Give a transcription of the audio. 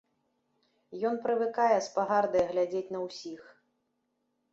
Ён прывыкае з пагардай глядзець на ўсіх.